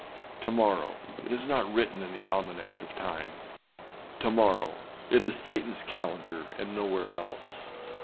To morrow â it is not written in the almanack of time. To morrow â it is in Satanâs calendar, and nowhere else.